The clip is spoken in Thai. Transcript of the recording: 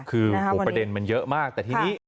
คือประเด็นมันเยอะมากแต่ทีนี้